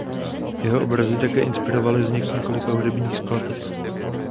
Jeho obrazy také inspirovaly vznik několika hudebních skladeb.